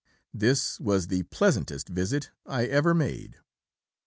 This was the pleasantest visit I ever made.